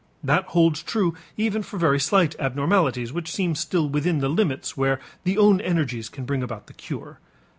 That holds true even for very slight abnormalities which seem still within the limits where the own energies can bring about the cure.